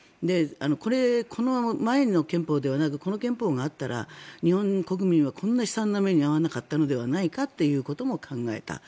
これ、この前の憲法ではなくこの憲法があったら日本国民はこんな悲惨な目に遭わなかったのではないかということも考えた。